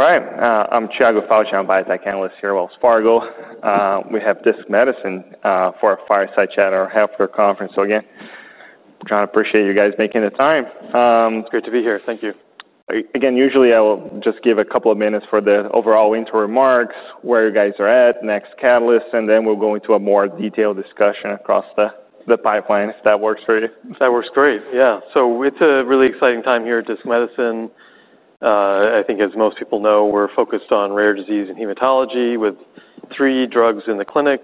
All right. I'm Chad Lefauci, biotech analyst here at Wells Fargo. We have Disc Medicine for a fireside chat at our halfway conference. John, I appreciate you guys making the time. It's great to be here. Thank you. Again, usually I will just give a couple of minutes for the overall winter remarks, where you guys are at, next catalyst, and then we'll go into a more detailed discussion across the pipeline if that works for you. That works great. Yeah. It's a really exciting time here at Disc Medicine. I think as most people know, we're focused on rare disease and hematology with three drugs in the clinic,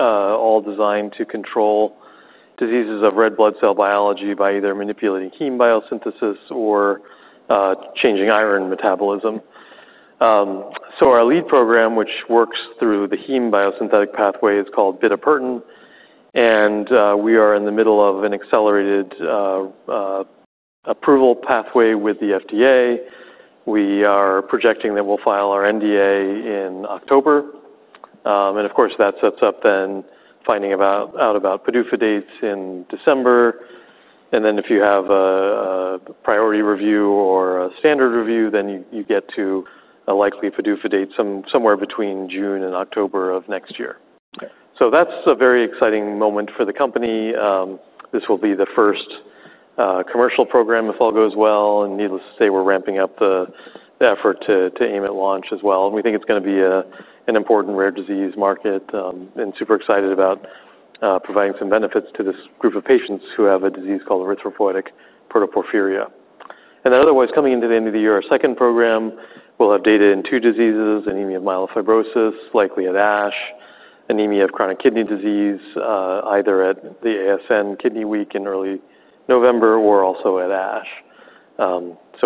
all designed to control diseases of red blood cell biology by either manipulating heme biosynthesis or changing iron metabolism. Our lead program, which works through the heme biosynthetic pathway, is called bitopertin. We are in the middle of an accelerated approval pathway with the FDA. We're projecting that we'll file our NDA in October. That sets up then finding out about PDUFA dates in December. If you have a priority review or a standard review, you get to a likely PDUFA date somewhere between June and October of next year. That's a very exciting moment for the company. This will be the first commercial program, if all goes well. Needless to say, we're ramping up the effort to aim at launch as well. We think it's going to be an important rare disease market and super excited about providing some benefits to this group of patients who have a disease called erythropoietic protoporphyria. Otherwise, coming into the end of the year, our second program will have data in two diseases: anemia of myelofibrosis, likely at ASH; anemia of chronic kidney disease, either at the ASN Kidney Week in early November or also at ASH.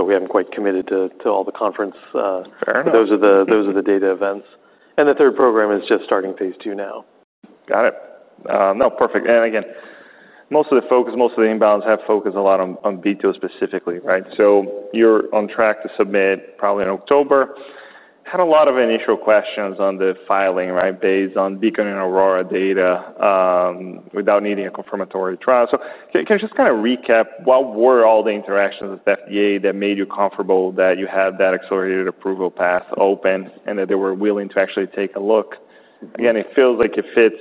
We haven't quite committed to all the conference. Fair enough. Those are the data events. The third program is just starting phase 2 now. Got it. No, perfect. Most of the focus, most of the inbounds have focused a lot on bitopertin specifically, right? You're on track to submit probably in October. Had a lot of initial questions on the filing, right, based on BEACON and AURORA data without needing a confirmatory trial. Can you just kind of recap what were all the interactions with the FDA that made you comfortable that you had that accelerated approval path open and that they were willing to actually take a look? It feels like it fits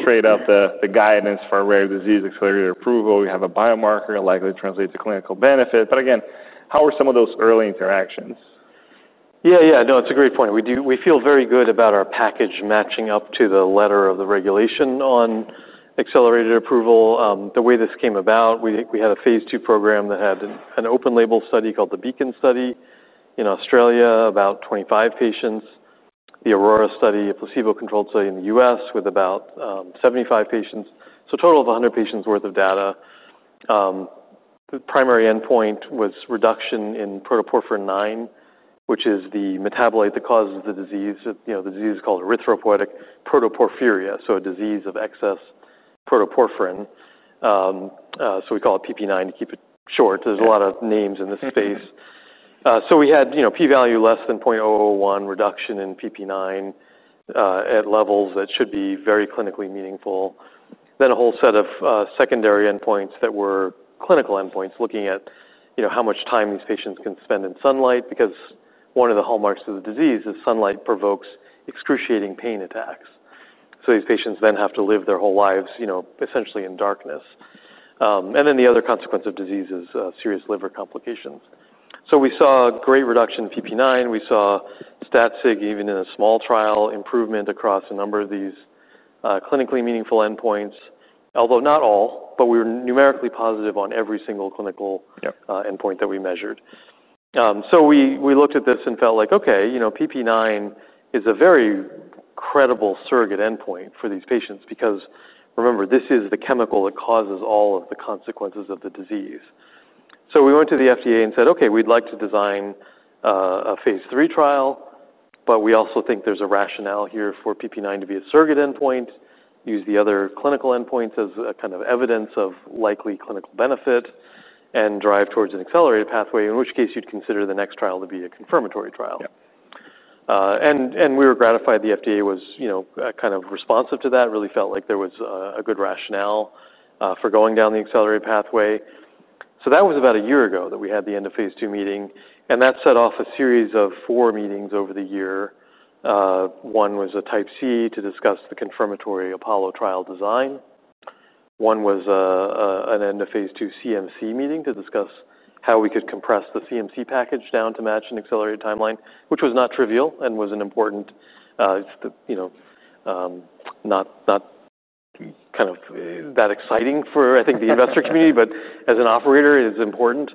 straight out the guidance for a rare disease accelerated approval. You have a biomarker and likely translates to clinical benefit. How were some of those early interactions? Yeah, yeah. No, it's a great point. We feel very good about our package matching up to the letter of the regulation on accelerated approval. The way this came about, we had a phase II program that had an open-label study called the BEACON study in Australia, about 25 patients. The AURORA study, a placebo-controlled study in the U.S. with about 75 patients. A total of 100 patients' worth of data. The primary endpoint was reduction in protoporphyrin IX, which is the metabolite that causes the disease. The disease is called erythropoietic protoporphyria, a disease of excess protoporphyrin. We call it PPIX to keep it short. There are a lot of names in this space. We had P-value less than 0.001, reduction in PPIX at levels that should be very clinically meaningful. There was a whole set of secondary endpoints that were clinical endpoints, looking at how much time these patients can spend in sunlight because one of the hallmarks of the disease is sunlight provokes excruciating pain attacks. These patients then have to live their whole lives essentially in darkness. The other consequence of disease is serious liver complications. We saw a great reduction in PPIX. We saw stat-sig even in a small trial improvement across a number of these clinically meaningful endpoints, although not all, but we were numerically positive on every single clinical endpoint that we measured. We looked at this and felt like, okay, you know PPIX is a very credible surrogate endpoint for these patients because remember, this is the chemical that causes all of the consequences of the disease. We went to the FDA and said, okay, we'd like to design a phase III trial, but we also think there's a rationale here for PPIX to be a surrogate endpoint, use the other clinical endpoints as a kind of evidence of likely clinical benefit, and drive towards an accelerated pathway, in which case you'd consider the next trial to be a confirmatory trial. We were gratified the FDA was kind of responsive to that, really felt like there was a good rationale for going down the accelerated pathway. That was about a year ago that we had the end of phase II meeting. That set off a series of four meetings over the year. One was a type C to discuss the confirmatory APOLLO trial design. One was an end of phase II CMC meeting to discuss how we could compress the CMC package down to match an accelerated timeline, which was not trivial and was important, not kind of that exciting for, I think, the investor community, but as an operator, it's important.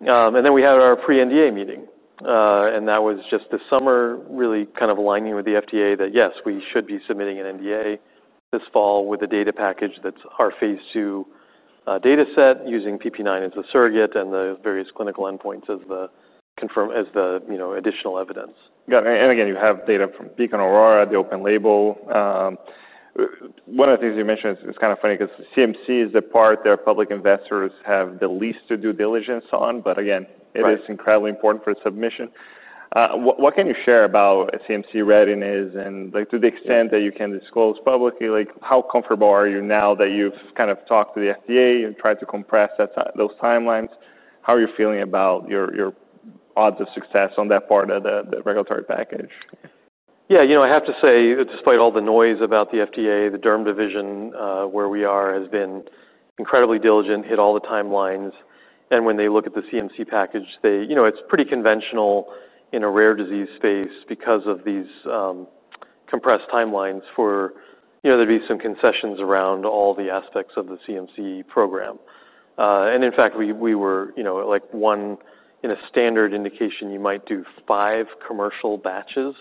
Then we had our pre-NDA meeting. That was just this summer, really kind of aligning with the FDA that, yes, we should be submitting an NDA this fall with a data package that's our phase II data set using PPIX as a surrogate and the various clinical endpoints as the additional evidence. Got it. You have data from BEACON and AURORA, the open label. One of the things you mentioned is kind of funny because CMC is the part that public investors have the least due diligence on, but it is incredibly important for the submission. What can you share about CMC readiness and to the extent that you can disclose publicly, how comfortable are you now that you've talked to the FDA and tried to compress those timelines? How are you feeling about your odds of success on that part of the regulatory package? Yeah, you know I have to say, despite all the noise about the FDA, the derm division where we are has been incredibly diligent, hit all the timelines. When they look at the CMC package, it's pretty conventional in a rare disease space because of these compressed timelines for there to be some concessions around all the aspects of the CMC program. In fact, we were like one in a standard indication you might do five commercial batches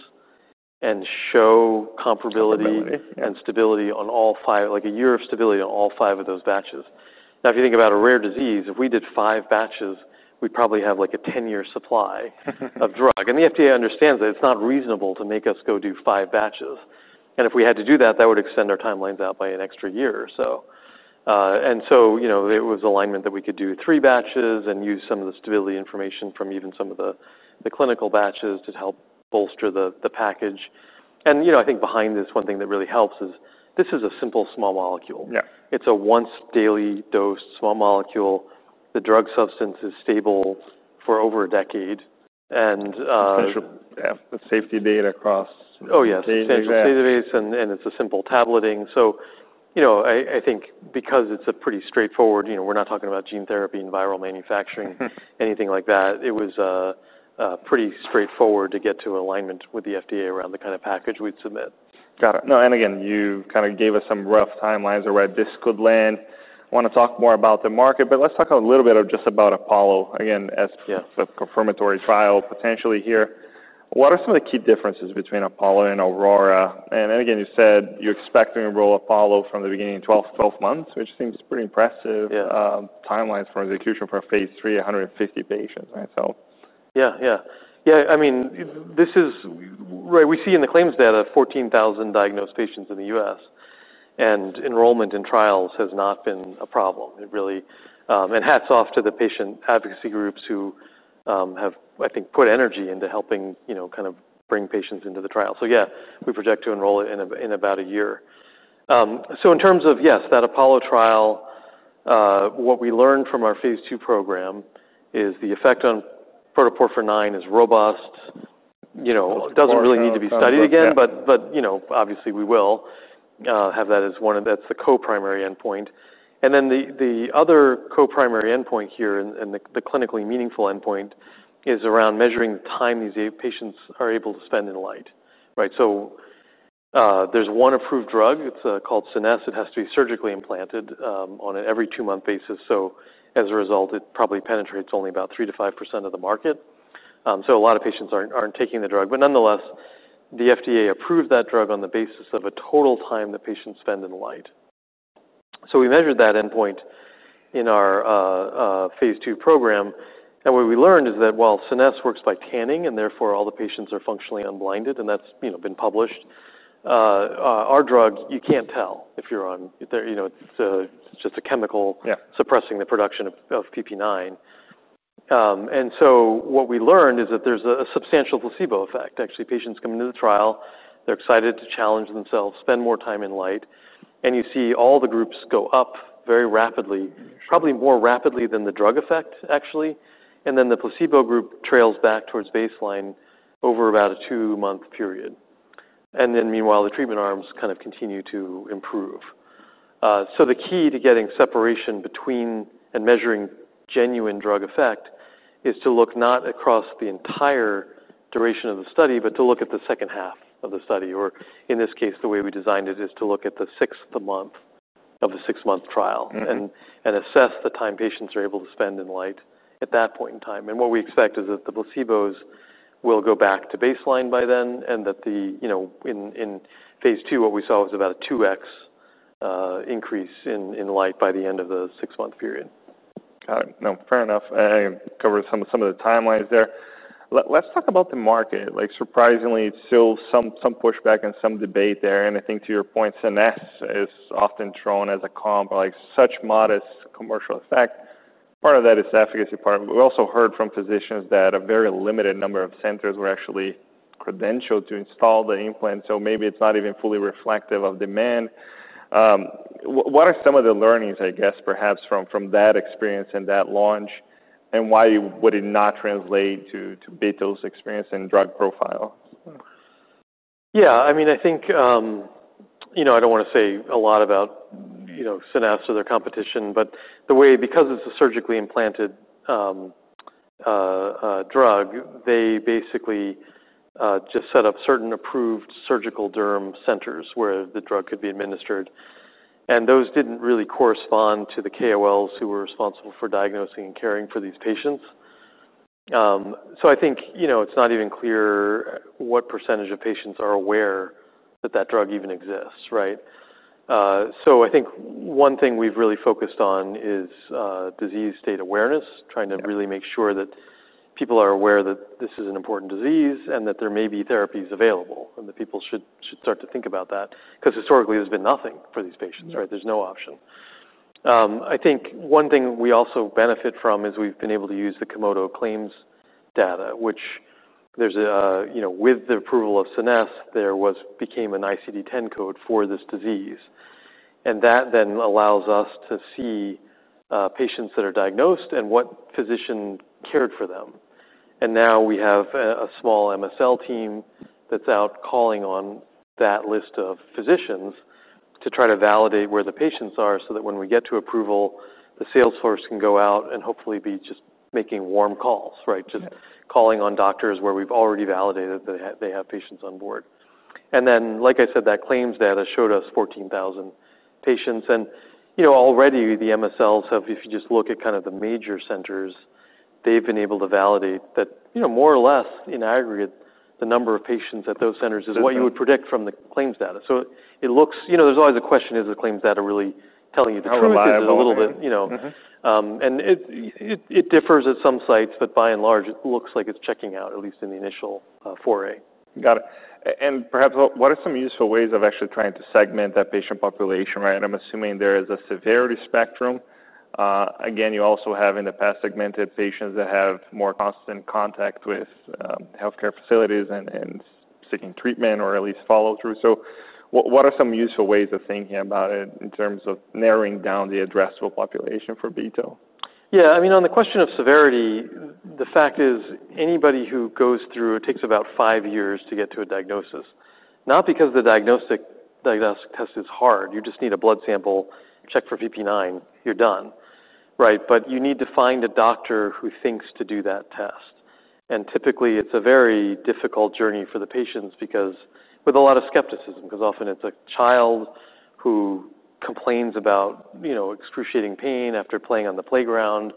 and show comparability and stability on all five, like a year of stability on all five of those batches. Now, if you think about a rare disease, if we did five batches, we'd probably have like a 10-year supply of drug. The FDA understands that it's not reasonable to make us go do five batches. If we had to do that, that would extend our timelines out by an extra year. It was alignment that we could do three batches and use some of the stability information from even some of the clinical batches to help bolster the package. You know I think behind this, one thing that really helps is this is a simple small molecule. It's a once daily dose small molecule. The drug substance is stable for over a decade. Sure, yeah, the safety data across. Yeah, it's standard database and it's a simple tableting. I think because it's a pretty straightforward, you know we're not talking about gene therapy and viral manufacturing, anything like that. It was pretty straightforward to get to alignment with the FDA around the kind of package we'd submit. Got it. No, you kind of gave us some rough timelines of where this could land. I want to talk more about the market, but let's talk a little bit just about APOLLO, again, as a confirmatory trial potentially here. What are some of the key differences between APOLLO and AURORA? You said you expect to enroll APOLLO from the beginning of 12 months, which seems pretty impressive. Timelines for execution for phase III, 150 patients, right? Yeah, yeah. Yeah, I mean, this is right. We see in the claims data 14,000 diagnosed patients in the U.S. And enrollment in trials has not been a problem. It really, and hats off to the patient advocacy groups who have, I think, put energy into helping kind of bring patients into the trial. Yeah, we project to enroll in about a year. In terms of, yes, that APOLLO trial, what we learned from our phase II program is the effect on protoporphyrin IX is robust. It doesn't really need to be studied again, but obviously we will have that as one, that's the co-primary endpoint. The other co-primary endpoint here and the clinically meaningful endpoint is around measuring the time these patients are able to spend in light. Right. There's one approved drug, it's called Scenesse. It has to be surgically implanted on an every two-month basis. As a result, it probably penetrates only about 3%-5% of the market. A lot of patients aren't taking the drug, but nonetheless, the FDA approved that drug on the basis of a total time that patients spend in light. We measured that endpoint in our phase II program. What we learned is that while Scenesse works by tanning and therefore all the patients are functionally unblinded, and that's been published, our drug, you can't tell if you're on, it's just a chemical suppressing the production of PPIX. What we learned is that there's a substantial placebo effect. Actually, patients come into the trial, they're excited to challenge themselves, spend more time in light. You see all the groups go up very rapidly, probably more rapidly than the drug effect, actually. The placebo group trails back towards baseline over about a two-month period. Meanwhile, the treatment arms kind of continue to improve. The key to getting separation between and measuring genuine drug effect is to look not across the entire duration of the study, but to look at the second half of the study. In this case, the way we designed it is to look at the sixth month of the six-month trial and assess the time patients are able to spend in light at that point in time. What we expect is that the placebos will go back to baseline by then and that the, you know, in phase II, what we saw was about a 2x increase in light by the end of the six-month period. Got it. No, fair enough. I covered some of the timelines there. Let's talk about the market. Surprisingly, there's still some pushback and some debate there. I think to your point, Scenesse is often thrown as a comp, like such modest commercial effect. Part of that is the efficacy part. We also heard from physicians that a very limited number of centers were actually credentialed to install the implant, so maybe it's not even fully reflective of demand. What are some of the learnings, I guess, perhaps from that experience and that launch, and why would it not translate to bitopertin's experience and drug profile? Yeah, I mean, I think, you know, I don't want to say a lot about Scenesse or their competition, but the way, because it's a surgically implanted drug, they basically just set up certain approved surgical derm centers where the drug could be administered. Those didn't really correspond to the KOLs who were responsible for diagnosing and caring for these patients. I think, you know, it's not even clear what percent of patients are aware that that drug even exists, right? I think one thing we've really focused on is disease state awareness, trying to really make sure that people are aware that this is an important disease and that there may be therapies available and that people should start to think about that because historically there's been nothing for these patients, right? There's no option. I think one thing we also benefit from is we've been able to use the Komodo Claims data, which there's a, you know, with the approval of Scenesse, there was, became an ICD-10 code for this disease. That then allows us to see patients that are diagnosed and what physician cared for them. Now we have a small MSL team that's out calling on that list of physicians to try to validate where the patients are so that when we get to approval, the sales force can go out and hopefully be just making warm calls, right? Just calling on doctors where we've already validated that they have patients on board. Like I said, that claims data showed us 14,000 patients. You know, already the MSLs have, if you just look at kind of the major centers, they've been able to validate that, you know, more or less in aggregate, the number of patients at those centers is what you would predict from the claims data. It looks, you know, there's always a question, is the claims data really telling you to provide a little bit, you know, and it differs at some sites, but by and large, it looks like it's checking out, at least in the initial foray. Got it. What are some useful ways of actually trying to segment that patient population, right? I'm assuming there is a severity spectrum. You also have in the past segmented patients that have more constant contact with healthcare facilities and seeking treatment or at least follow-through. What are some useful ways of thinking about it in terms of narrowing down the addressable population for bitopertin? Yeah, I mean, on the question of severity, the fact is anybody who goes through it takes about five years to get to a diagnosis, not because the diagnostic test is hard. You just need a blood sample, check for PPIX, you're done, right? You need to find a doctor who thinks to do that test. Typically, it's a very difficult journey for the patients with a lot of skepticism, because often it's a child who complains about, you know, excruciating pain after playing on the playground.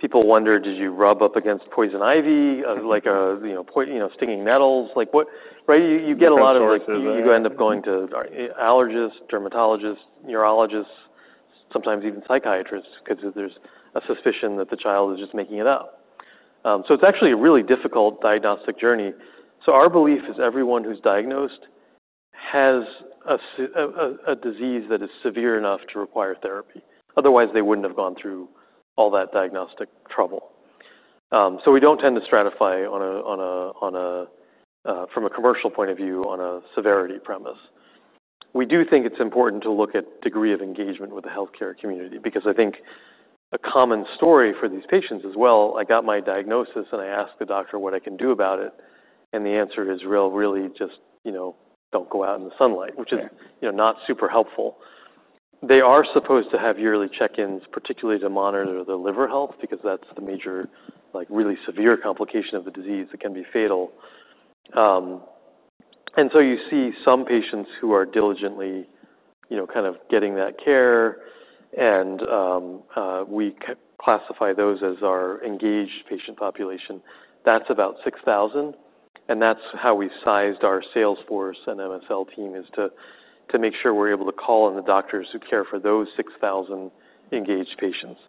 People wonder, did you rub up against poison ivy, like, you know, stinging nettles? Like what, right? You end up going to allergists, dermatologists, neurologists, sometimes even psychiatrists because there's a suspicion that the child is just making it up. It's actually a really difficult diagnostic journey. Our belief is everyone who's diagnosed has a disease that is severe enough to require therapy. Otherwise, they wouldn't have gone through all that diagnostic trouble. We don't tend to stratify, from a commercial point of view, on a severity premise. We do think it's important to look at the degree of engagement with the healthcare community because I think a common story for these patients is, well, I got my diagnosis and I asked the doctor what I can do about it. The answer is really just, you know, don't go out in the sunlight, which is, you know, not super helpful. They are supposed to have yearly check-ins, particularly to monitor their liver health because that's the major, like really severe complication of the disease that can be fatal. You see some patients who are diligently, you know, kind of getting that care. We classify those as our engaged patient population. That's about 6,000. That's how we sized our sales force and MSL team, to make sure we're able to call on the doctors who care for those 6,000 engaged patients.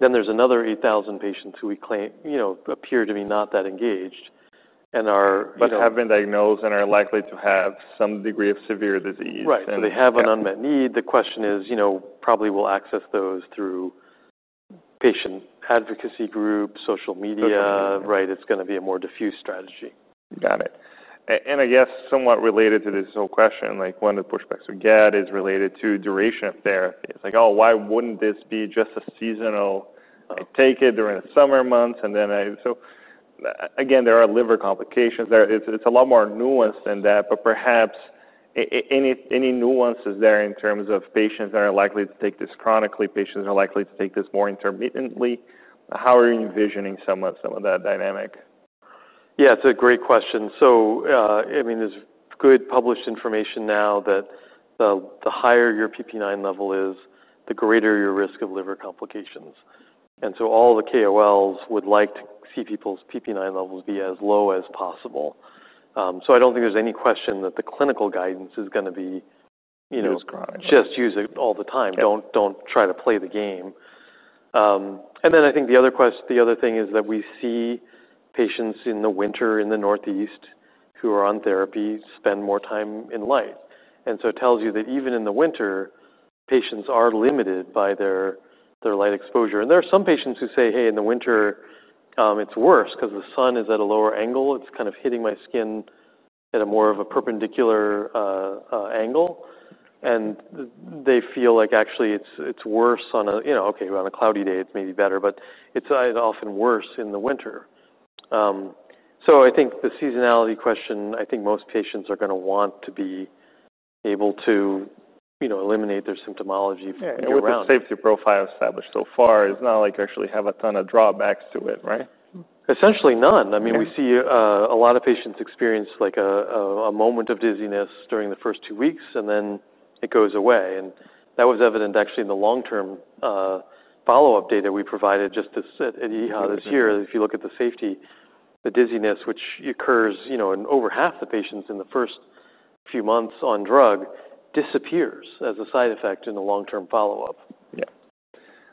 There's another 8,000 patients who we claim, you know, appear to be not that engaged. Our. They have been diagnosed and are likely to have some degree of severe disease. Right. They have an unmet need. The question is, you know, probably we'll access those through patient advocacy groups, social media, right? It's going to be a more diffuse strategy. Got it. I guess somewhat related to this whole question, one of the pushbacks we get is related to duration of therapy. It's like, oh, why wouldn't this be just a seasonal? I take it during the summer months. There are liver complications there. It's a lot more nuanced than that, but perhaps any nuances there in terms of patients that are likely to take this chronically, patients that are likely to take this more intermittently. How are you envisioning some of that dynamic? Yeah, it's a great question. There's good published information now that the higher your PPIX level is, the greater your risk of liver complications. All the KOLs would like to see people's PPIX levels be as low as possible. I don't think there's any question that the clinical guidance is going to be, you know, just use it all the time. Don't try to play the game. The other thing is that we see patients in the winter in the Northeast who are on therapy spend more time in light. It tells you that even in the winter, patients are limited by their light exposure. There are some patients who say, hey, in the winter, it's worse because the sun is at a lower angle. It's kind of hitting my skin at more of a perpendicular angle. They feel like actually it's worse on a, you know, okay, on a cloudy day, it's maybe better, but it's often worse in the winter. I think the seasonality question, I think most patients are going to want to be able to eliminate their symptomology around. Yeah, with the safety profile established so far, it's not like you actually have a ton of drawbacks to it, right? Essentially none. We see a lot of patients experience a moment of dizziness during the first two weeks, and then it goes away. That was evident actually in the long-term follow-up data we provided just at EHA this year. If you look at the safety, the dizziness, which occurs in over half of patients in the first few months on drug, disappears as a side effect in the long-term follow-up. Yeah,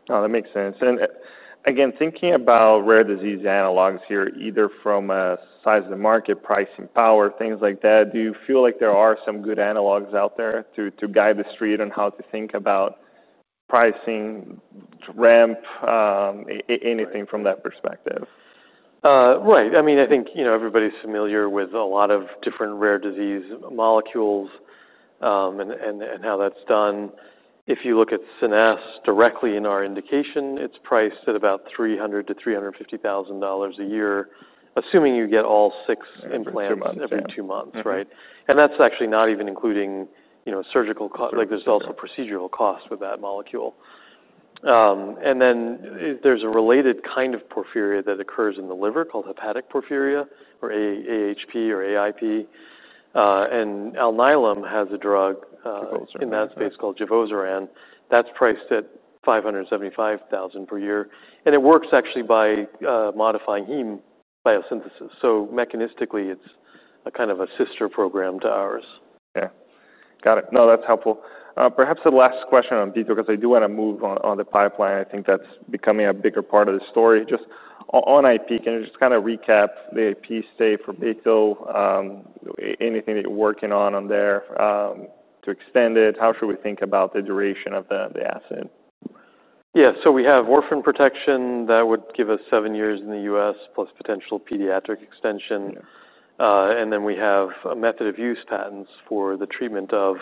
no, that makes sense. Again, thinking about rare disease analogs here, either from a size of the market, pricing power, things like that, do you feel like there are some good analogs out there to guide the street on how to think about pricing, ramp, anything from that perspective? Right. I mean, I think, you know, everybody's familiar with a lot of different rare disease molecules and how that's done. If you look at Scenesse directly in our indication, it's priced at about $300,000-$350,000 a year, assuming you get all six implants every two months, right? That's actually not even including, you know, surgical costs. There are also procedural costs with that molecule. There is a related kind of porphyria that occurs in the liver called hepatic porphyria, or AHP or AIP. Alnylam has a drug in that space called Givosiran. That's priced at $575,000 per year. It works actually by modifying heme biosynthesis. Mechanistically, it's a kind of a sister program to ours. Yeah. Got it. No, that's helpful. Perhaps the last question on Bito, because I do want to move on the pipeline. I think that's becoming a bigger part of the story. Just on IP, can you just kind of recap the IP state for Bito, anything that you're working on on there to extend it? How should we think about the duration of the assay? Yeah, so we have orphan protection that would give us seven years in the U.S. plus potential pediatric extension. We have method-of-use patents for the treatment of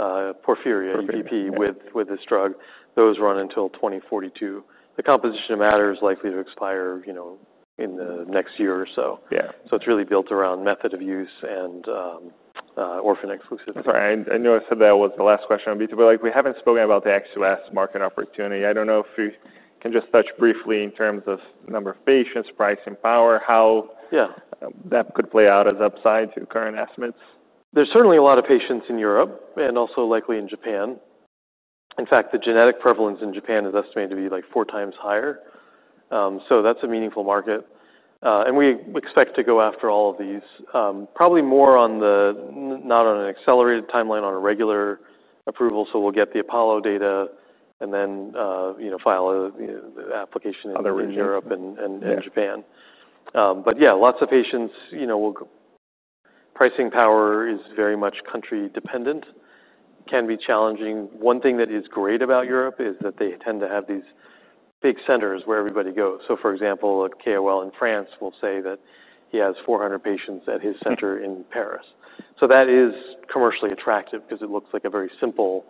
porphyria and EPP with this drug. Those run until 2042. The composition of matter is likely to expire, you know, in the next year or so. It's really built around method-of-use and orphan exclusivity. Sorry, I know I said that was the last question on Bito, but we haven't spoken about the actual market opportunity. I don't know if you can just touch briefly in terms of number of patients, pricing power, how that could play out as upside to current estimates. There's certainly a lot of patients in Europe and also likely in Japan. In fact, the genetic prevalence in Japan is estimated to be like 4x higher. That's a meaningful market. We expect to go after all of these, probably more on the, not on an accelerated timeline, on a regular approval. We'll get the APOLLO data and then, you know, file an application in Europe and Japan. Yeah, lots of patients, you know, pricing power is very much country dependent. It can be challenging. One thing that is great about Europe is that they tend to have these big centers where everybody goes. For example, a KOL in France will say that he has 400 patients at his center in Paris. That is commercially attractive because it looks like a very simple,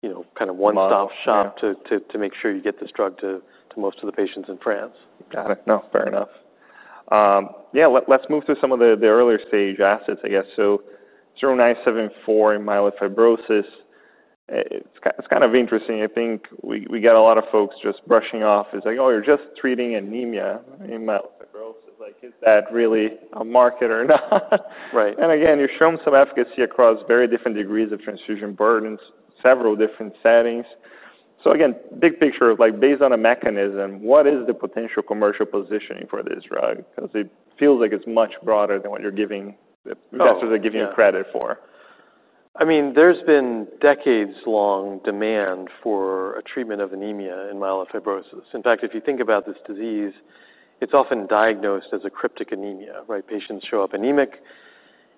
you know, kind of one-stop shop to make sure you get this drug to most of the patients in France. Got it. No, fair enough. Yeah, let's move to some of the earlier stage assets, I guess. DISC-0974 in myelofibrosis, it's kind of interesting. I think we got a lot of folks just brushing off. It's like, oh, you're just treating anemia in myelofibrosis. Like, is that really a market or not? Right. You're showing some efficacy across very different degrees of transfusion burdens, several different settings. Big picture, based on a mechanism, what is the potential commercial positioning for this drug? It feels like it's much broader than what you're giving, the investors are giving you credit for. I mean, there's been decades-long demand for a treatment of anemia in myelofibrosis. In fact, if you think about this disease, it's often diagnosed as a cryptic anemia, right? Patients show up anemic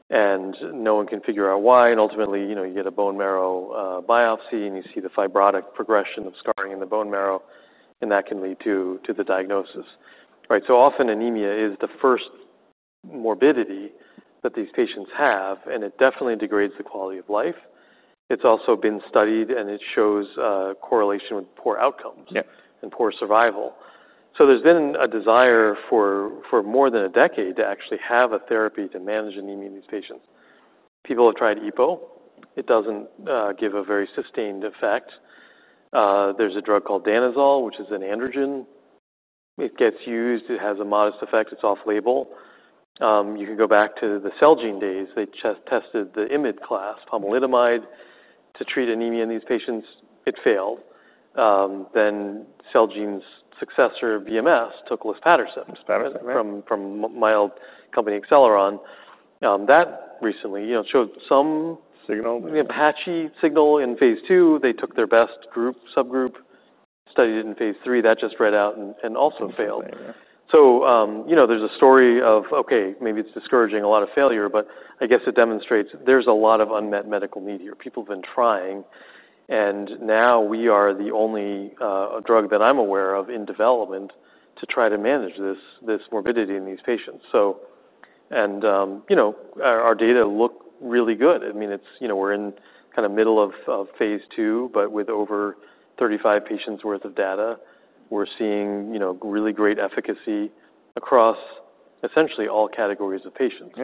and no one can figure out why. Ultimately, you get a bone marrow biopsy and you see the fibrotic progression of scarring in the bone marrow, and that can lead to the diagnosis. Often anemia is the first morbidity that these patients have, and it definitely degrades the quality of life. It's also been studied and it shows a correlation with poor outcomes and poor survival. There's been a desire for more than a decade to actually have a therapy to manage anemia in these patients. People have tried EPO. It doesn't give a very sustained effect. There's a drug called Danazol, which is an androgen. It gets used, it has a modest effect, it's off-label. You can go back to the Celgene days. They tested the IMID class, pomalidomide, to treat anemia in these patients. It failed. Celgene's successor, BMS, took Luspatercept from my old company, Acceleron. That recently showed some signal, a patchy signal in phase II. They took their best subgroup, studied it in phase III, that just read out and also failed. Maybe it's discouraging, a lot of failure, but I guess it demonstrates there's a lot of unmet medical need here. People have been trying, and now we are the only drug that I'm aware of in development to try to manage this morbidity in these patients. Our data look really good. We're in kind of middle of phase II, but with over 35 patients' worth of data, we're seeing really great efficacy across essentially all categories of patients.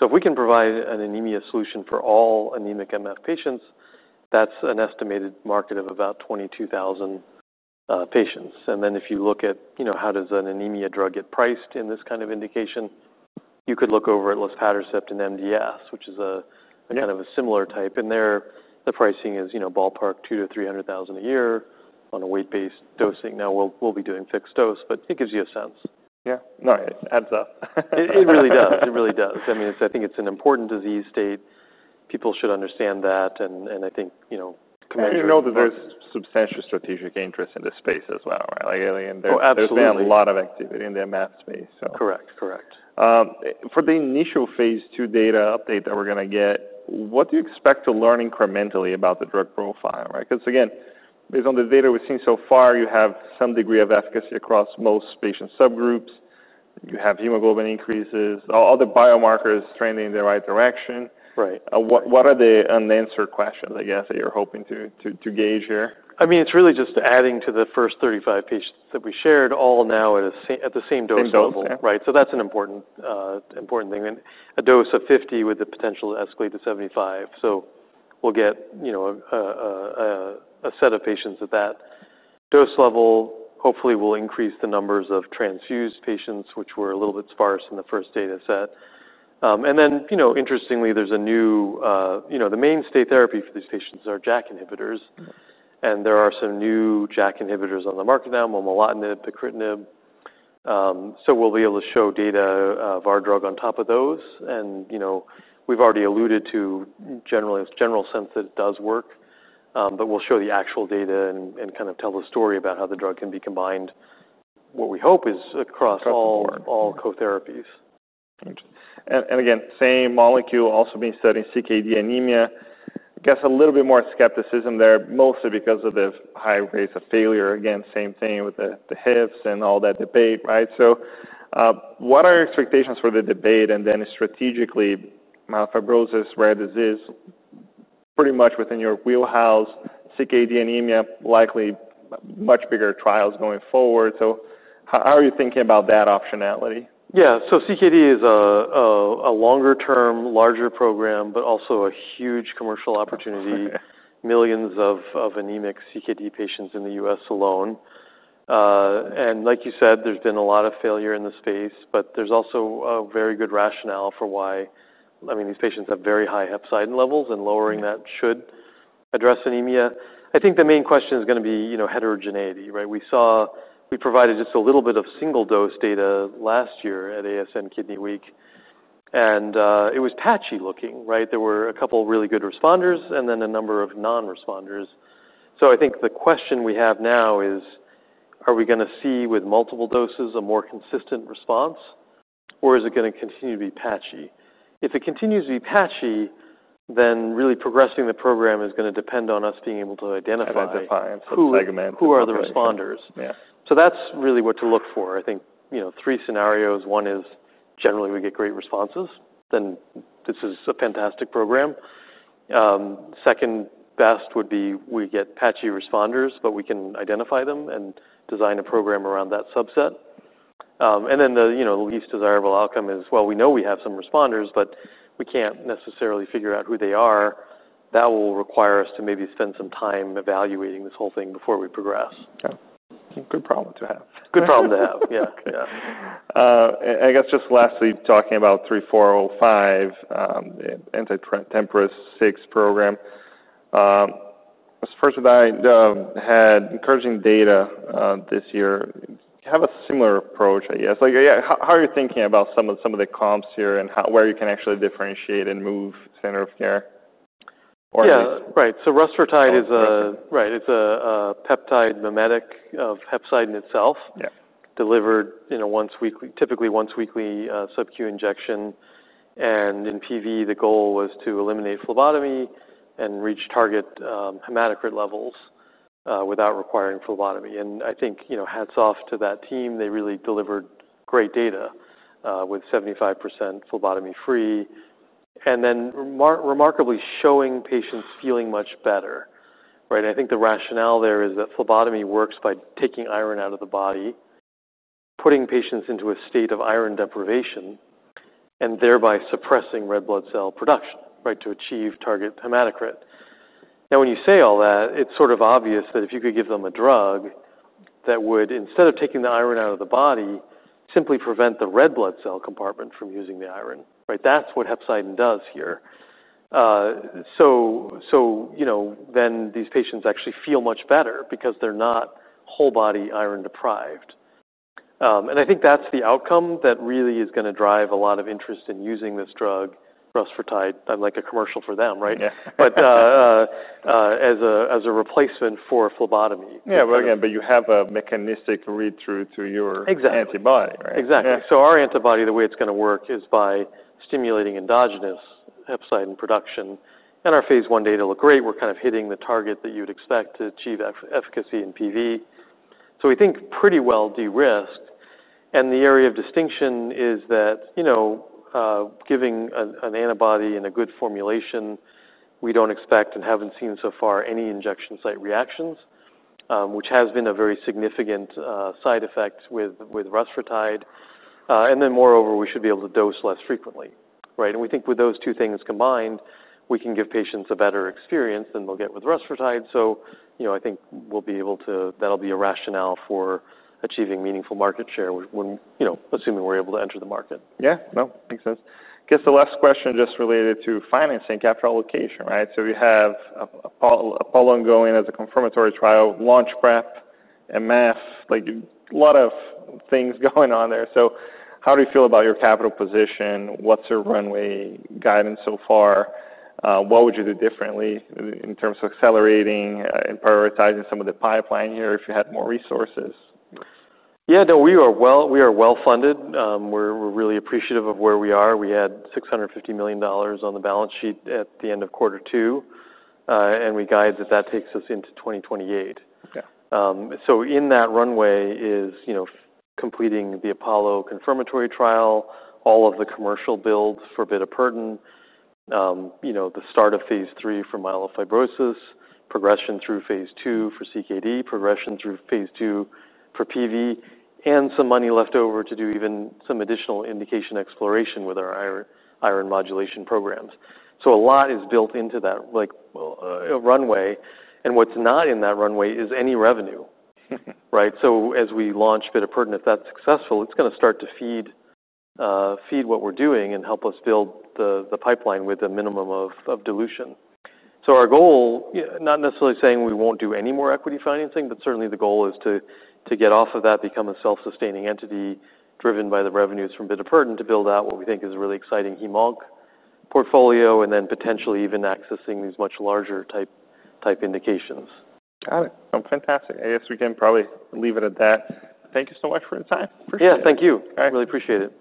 If we can provide an anemia solution for all anemic MF patients, that's an estimated market of about 22,000 patients. If you look at how does an anemia drug get priced in this kind of indication, you could look over at Luspatercept in MDS, which is a kind of a similar type. Their pricing is ballpark $200,000-$300,000 a year on a weight-based dosing. Now we'll be doing fixed dose, but it gives you a sense. Yeah, no, it adds up. It really does. I think it's an important disease state. People should understand that. I think, you know. You know that there's substantial strategic interest in this space as well, right? There has been a lot of activity in the MF space. Correct, correct. For the initial phase II data update that we're going to get, what do you expect to learn incrementally about the drug profile, right? Because again, based on the data we've seen so far, you have some degree of efficacy across most patient subgroups. You have hemoglobin increases. All the biomarkers are trending in the right direction. Right. What are the unanswered questions, I guess, that you're hoping to gauge here? It's really just adding to the first 35 patients that we shared all now at the same dose level, right? That's an important thing. A dose of 50 with the potential to escalate to 75. We'll get a set of patients at that dose level. Hopefully, we'll increase the numbers of transfused patients, which were a little bit sparse in the first data set. Interestingly, the mainstay therapy for these patients are JAK inhibitors. There are some new JAK inhibitors on the market now, momelotinib, pacritinib. We'll be able to show data of our drug on top of those. We've already alluded to a general sense that it does work, but we'll show the actual data and kind of tell the story about how the drug can be combined. What we hope is across all co-therapies. Again, same molecule also being studied in CKD anemia. I guess a little bit more skepticism there, mostly because of the high rates of failure. Same thing with the HIFs and all that debate, right? What are your expectations for the debate? Strategically, myelofibrosis, rare disease, pretty much within your wheelhouse, CKD anemia, likely much bigger trials going forward. How are you thinking about that optionality? Yeah, CKD is a longer-term, larger program, but also a huge commercial opportunity. Millions of anemic CKD patients in the U.S. alone. Like you said, there's been a lot of failure in the space, but there's also a very good rationale for why. I mean, these patients have very high hepcidin levels, and lowering that should address anemia. I think the main question is going to be, you know, heterogeneity, right? We saw, we provided just a little bit of single-dose data last year at ASN Kidney Week, and it was patchy looking, right? There were a couple of really good responders and then a number of non-responders. I think the question we have now is, are we going to see with multiple doses a more consistent response, or is it going to continue to be patchy? If it continues to be patchy, then really progressing the program is going to depend on us being able to identify those. Identify and sort of segment. Who are the responders? Yeah. That's really what to look for. I think, you know, three scenarios. One is generally we get great responses, then this is a fantastic program. Second best would be we get patchy responders, but we can identify them and design a program around that subset. The least desirable outcome is, we know we have some responders, but we can't necessarily figure out who they are. That will require us to maybe spend some time evaluating this whole thing before we progress. Okay, good problem to have. Good problem to have. Yeah. Yeah. I guess just lastly, talking about 3405, anti-TMPRSS6 program. As far as I know, had encouraging data this year. Do you have a similar approach, I guess? Like, yeah, how are you thinking about some of the comps here and where you can actually differentiate and move center of care? Yeah, right. Rusfertide is a peptide mimetic of hepcidin itself, delivered once weekly, typically once weekly subcu injection. In polycythemia vera, the goal was to eliminate phlebotomy and reach target hematocrit levels without requiring phlebotomy. I think hats off to that team. They really delivered great data with 75% phlebotomy-free. Remarkably, showing patients feeling much better, right? I think the rationale there is that phlebotomy works by taking iron out of the body, putting patients into a state of iron deprivation, and thereby suppressing red blood cell production to achieve target hematocrit. When you say all that, it's sort of obvious that if you could give them a drug that would, instead of taking the iron out of the body, simply prevent the red blood cell compartment from using the iron, right? That's what hepcidin does here. These patients actually feel much better because they're not whole-body iron deprived. I think that's the outcome that really is going to drive a lot of interest in using this drug, rusfertide. I'm like a commercial for them, right? As a replacement for phlebotomy. Yeah, you have a mechanistic read-through through your antibody, right? Exactly. Our antibody, the way it's going to work is by stimulating endogenous hepcidin production. Our phase one data look great. We're kind of hitting the target that you'd expect to achieve efficacy in PV. We think pretty well de-risked. The area of distinction is that, you know, giving an antibody in a good formulation, we don't expect and haven't seen so far any injection site reactions, which has been a very significant side effect with rusfertide. Moreover, we should be able to dose less frequently, right? We think with those two things combined, we can give patients a better experience than they'll get with rusfertide. I think we'll be able to, that'll be a rationale for achieving meaningful market share when, you know, assuming we're able to enter the market. Yeah, makes sense. I guess the last question just related to financing, capital allocation, right? You have APOLLO going as a confirmatory trial, launch prep, MF, like a lot of things going on there. How do you feel about your capital position? What's your runway guidance so far? What would you do differently in terms of accelerating and prioritizing some of the pipeline here if you had more resources? Yeah, no, we are well funded. We're really appreciative of where we are. We had $650 million on the balance sheet at the end of quarter two. We guide that that takes us into 2028. In that runway is completing the APOLLO confirmatory trial, all of the commercial builds for bitopertin, the start of phase III for myelofibrosis, progression through phase III for CKD, progression through phase III for PV, and some money left over to do even some additional indication exploration with our iron modulation programs. A lot is built into that runway. What's not in that runway is any revenue, right? As we launch bitopertin, if that's successful, it's going to start to feed what we're doing and help us build the pipeline with a minimum of dilution. Our goal, not necessarily saying we won't do any more equity financing, but certainly the goal is to get off of that, become a self-sustaining entity driven by the revenues from bitopertin to build out what we think is a really exciting heme portfolio, and then potentially even accessing these much larger type indications. Got it. Fantastic. I guess we can probably leave it at that. Thank you so much for your time. Yeah, thank you. I really appreciate it.